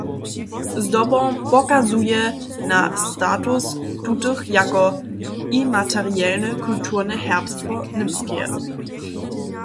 Zdobom pokazuje na status tutych jako imaterielne kulturne herbstwo Němskeje.